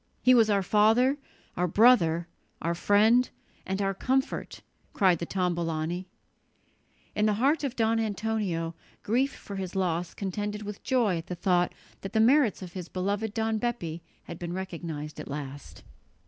"He was our father, our brother, our friend, and our comfort," cried the Tombolani. In the heart of Don Antonio grief for his loss contended with joy at the thought that the merits of his beloved Don Bepi had been recognized at last.